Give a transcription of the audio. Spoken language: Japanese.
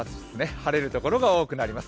晴れる所が多くなります。